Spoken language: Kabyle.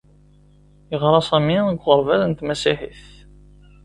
Yeɣra Sami deg uɣerbaz n tmasiḥit